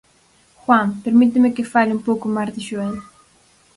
Juan, permíteme que fale un pouco máis de Xoel.